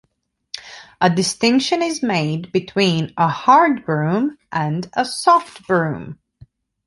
A distinction is made between a "hard broom" and a "soft broom".